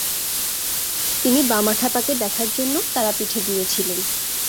তিনি বামাক্ষ্যাপাকে দেখার জন্য তারাপীঠে গিয়েছিলেন।